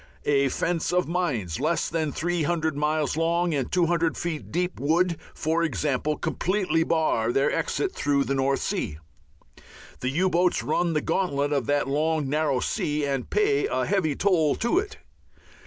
A fence of mines less than three hundred miles long and two hundred feet deep would, for example, completely bar their exit through the North Sea. The U boats run the gauntlet of that long narrow sea and pay a heavy toll to it.